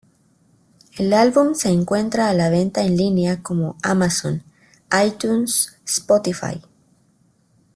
El álbum se encuentra a la venta en línea como Amazon, iTunes, Spotify.